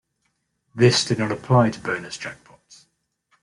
This did not apply to bonus jackpots.